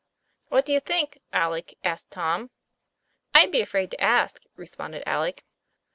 "What do you think, Alec?" asked Tom. 'I'd be afraid to ask," responded Alec.